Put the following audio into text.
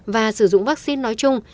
và sử dụng vaccine nói chung